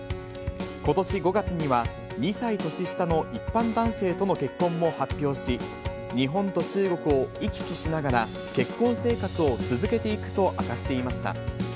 ことし５月には、２歳年下の一般男性との結婚も発表し、日本と中国を行き来しながら、結婚生活を続けていくと明かしていました。